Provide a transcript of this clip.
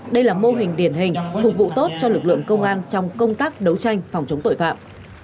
đây là mô hình điển hình phục vụ tốt cho lực lượng công an trong công tác đấu tranh phòng chống tội phạm